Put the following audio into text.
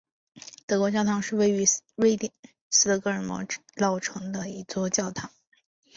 德国教堂是位于瑞典斯德哥尔摩老城的一座教堂。